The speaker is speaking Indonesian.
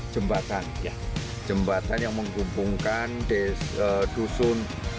jembatan ya jembatan yang menghubungkan desa dusun